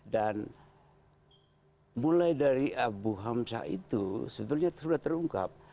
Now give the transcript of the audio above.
dan mulai dari abu hamzah itu sebetulnya sudah terungkap